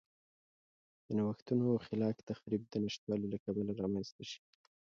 د نوښتونو او خلاق تخریب د نشتوالي له کبله رامنځته شي.